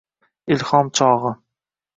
Ilhom chog’i